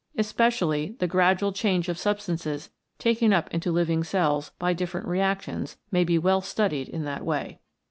Especially the gradual change of substances taken up into living cells by different reactions may be well studied in that way.